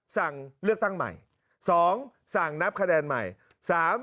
สั่งเลือกตั้งใหม่๒สั่งนับคะแนนใหม่